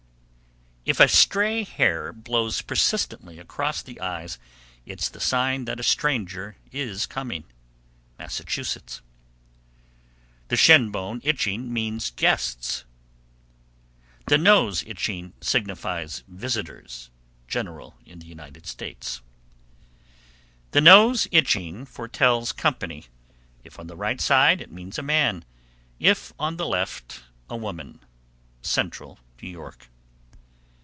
_ 779. If a stray hair blows persistently across the eyes, it's the sign that a stranger is coming. Massachusetts. 780. The shin bone itching means guests. 781. The nose itching signifies visitors. General in the United States. 782. The nose itching foretells company. If on the right side, it means a man; if on the left, a woman. _Central New York.